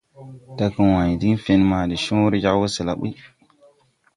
Dage wãy tin fen ma de cõõre jag wɔsɛla ɓuy.